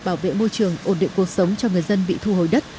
bảo vệ môi trường ổn định cuộc sống cho người dân bị thu hồi đất